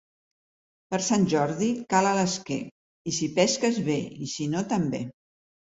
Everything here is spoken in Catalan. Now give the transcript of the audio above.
Per Sant Jordi cala l'esquer, i si pesques, bé, i si no, també.